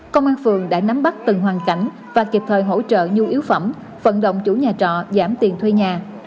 công an phường đã nắm bắt từng hoàn cảnh và kịp thời hỗ trợ nhu yếu phẩm vận động chủ nhà trọ giảm tiền thuê nhà